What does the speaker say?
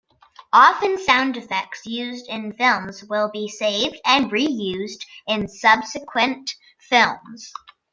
Often, sound effects used in films will be saved and reused in subsequent films.